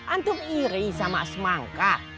antum iri sama semangka